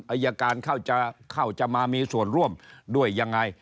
อายการเข้าจะมามีส่วนร่วมด้วยยังไง